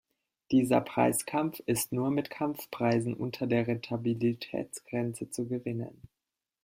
Dieser Preiskampf ist nur mit Kampfpreisen unter der Rentabilitätsgrenze zu gewinnen.